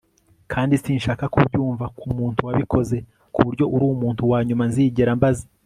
kandi sinshaka kubyumva kumuntu wabikoze kuburyo uri umuntu wanyuma nzigera mbaza